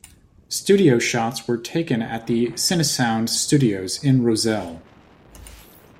Studio shots were taken at the Cinesound Studios in Rozelle.